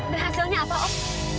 dan hasilnya apa om